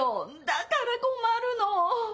だから困るの。